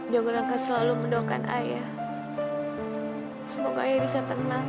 jangan selalu mendoakan ayah semoga bisa tenang